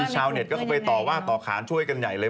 มีชาวเน็ตก็ไปต่อขาวช่วยกันใหญ่อีกเลย